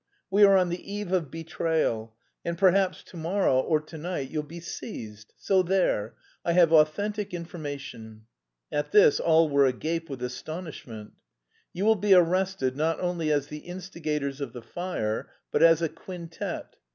We are on the eve of betrayal, and perhaps to morrow or to night you'll be seized. So there. I have authentic information." At this all were agape with astonishment. "You will be arrested not only as the instigators of the fire, but as a quintet.